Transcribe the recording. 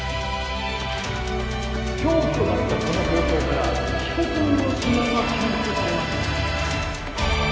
凶器となったこの包丁から被告人の指紋が検出されました。